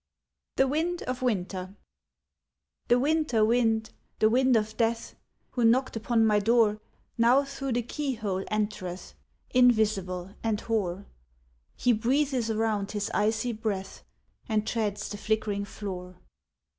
THE WIND OF WINTER The Winter Wind, the wind of death, Who knocked upon my door, Now through the key hole entereth, Invisible and hoar; He breathes around his icy breath And treads the flickering floor.